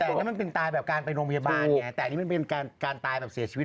แต่อันนี้มันเป็นตายแบบการไปโรงพยาบาลไงแต่อันนี้มันเป็นการตายแบบเสียชีวิต